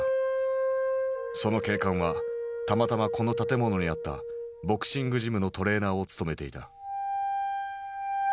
その警官はたまたまこの建物にあったボクシングジムのトレーナーを務めていた。